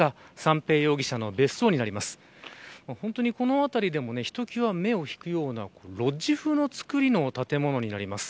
本当にこの辺りでもひときわ目を引くようなロッジふうの造りの建物になります。